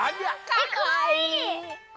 かわいい！